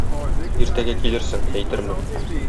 Иртәгә килерсең, әйтермен.